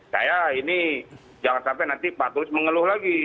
saya ini jangan sampai nanti pak tulus mengeluh lagi